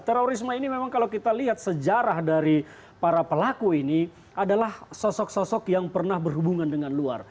terorisme ini memang kalau kita lihat sejarah dari para pelaku ini adalah sosok sosok yang pernah berhubungan dengan luar